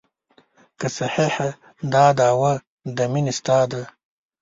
که صحیحه دا دعوه د مینې ستا ده.